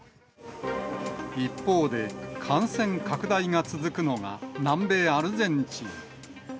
一方で、感染拡大が続くのが、南米アルゼンチン。